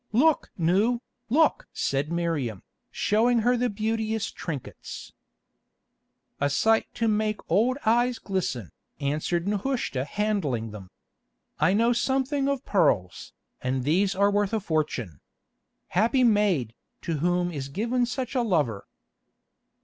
"Look! Nou, look!" said Miriam, showing her the beauteous trinkets. "A sight to make old eyes glisten," answered Nehushta handling them. "I know something of pearls, and these are worth a fortune. Happy maid, to whom is given such a lover."